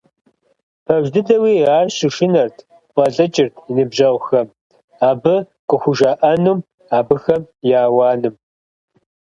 Пэж дыдэуи, ар щышынэрт, фӀэлӀыкӀырт и ныбжьэгъухэм, абы къыхужаӀэнум, абыхэм я ауаным.